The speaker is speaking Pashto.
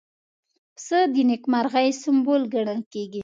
پسه د نېکمرغۍ سمبول ګڼل کېږي.